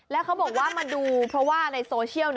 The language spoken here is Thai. แล้วเขาบอกว่ามาดูเพราะว่าในโซเชียล